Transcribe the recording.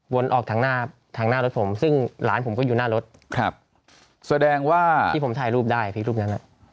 วนออกถังหน้ารถผมซึ่งหลานผมก็อยู่หน้ารถที่ผมถ่ายรูปได้ภีร์รูปนั้น